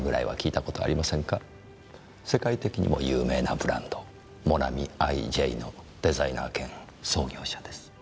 世界的にも有名なブランドモナミ・アイ・ジェイのデザイナー兼創業者です。